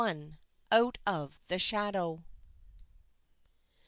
OUT OF THE SHADOW.